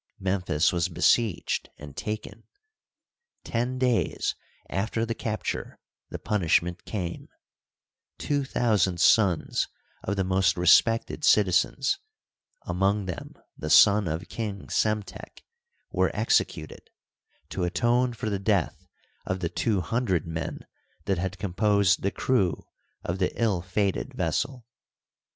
Memphis was besieged and taken. Ten days after the capture the punishment came : two thousand sons of the most respected citizens, among them the son of King Psemtek, were executed, to atone for the death of the two hundred men that had composed the crew of the ill fated vessel.